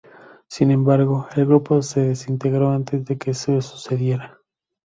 Sin embargo, el grupo se desintegró antes de que eso sucediera.